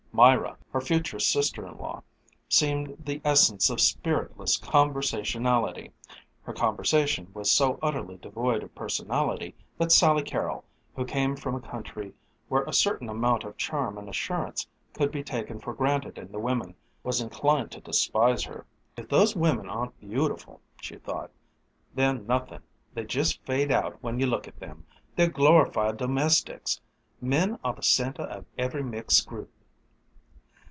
Myra, her future sister in law, seemed the essence of spiritless conversationality. Her conversation was so utterly devoid of personality that Sally Carrol, who came from a country where a certain amount of charm and assurance could be taken for granted in the women, was inclined to despise her. "If those women aren't beautiful," she thought, "they're nothing. They just fade out when you look at them. They're glorified domestics. Men are the centre of every mixed group."